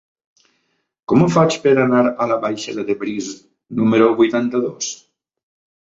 Com ho faig per anar a la baixada de Briz número vuitanta-dos?